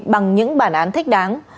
bằng những bản án thích đáng